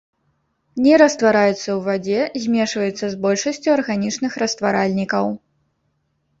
Не раствараецца ў вадзе, змешваецца з большасцю арганічных растваральнікаў.